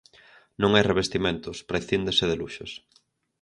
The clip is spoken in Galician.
Non hai revestimentos, prescíndese de luxos.